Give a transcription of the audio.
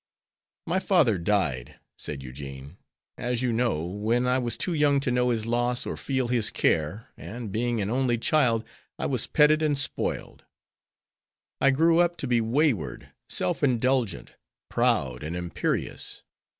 "My father died," said Eugene, "as you know, when I was too young to know his loss or feel his care and, being an only child, I was petted and spoiled. I grew up to be wayward, self indulgent, proud, and imperious.